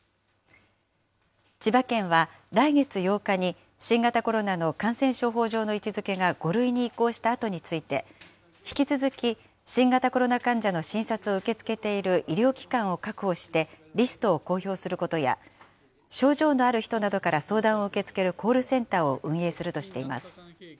千葉県は来月８日に新型コロナの感染症法上の位置づけが５類に移行したあとについて、引き続き、新型コロナ患者の診察を受け付けている医療機関を確保してリストを公表することや、症状のある人などから相談を受け付けるコールセンターを運営するとしています。